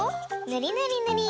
ぬりぬり。